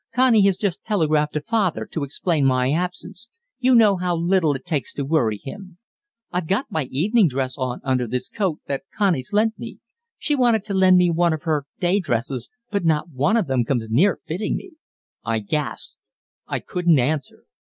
Connie has just telegraphed to father to explain my absence you know how little it takes to worry him. I've got my evening dress on under this coat that Connie's lent me. She wanted to lend me one of her day dresses, but not one of them comes near fitting me." I gasped. I couldn't answer.